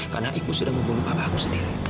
karena ibu sudah membunuh papa aku sendiri